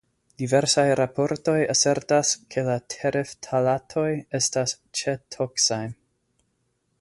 Diversaj raportoj asertas ke la tereftalatoj estas ĉetoksaj.